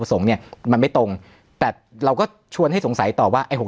สงฆ์เนี่ยมันไม่ตรงแต่เราก็ชวนให้สงสัยต่อว่าไอ้หก